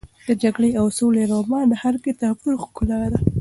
د جګړې او سولې رومان د هر کتابتون ښکلا ده.